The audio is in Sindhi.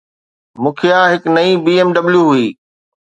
مکيه هڪ نئين BMW هئي.